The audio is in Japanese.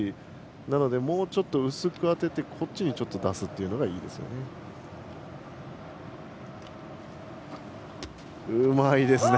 なので、もうちょっと薄く当ててこっちに出すのがいいですね。